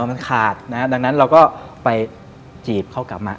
มันขาดนะฮะดังนั้นเราก็ไปจีบเขากลับมา